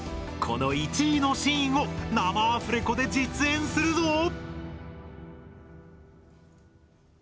この１位のシーンを生アフレコで実演するぞ！